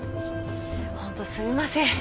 ホントすみません。